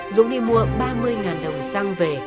dũng đi mua ba mươi đồng xăng về